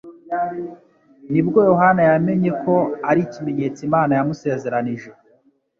ni bwo Yohana yamenye ko ari ikimenyetso Imana yamusezeranije..